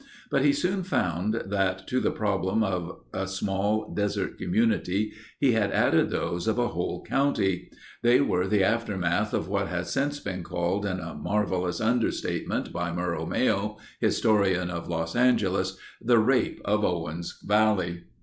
But he soon found that to the problems of a small desert community he had added those of a whole county. They were the aftermath of what has since been called in a marvelous understatement by Morrow Mayo, historian of Los Angeles, "The Rape of Owens Valley."